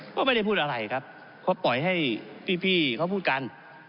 ก็ไม่ได้พูดอะไรครับเขาปล่อยให้พี่เขาพูดกัน